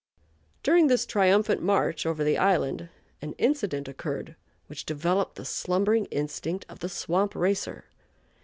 During this triumphant march over the island an incident occurred which developed the slumbering instinct of the swamp "racer."